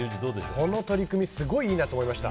この取り組みすごいいいなと思いました。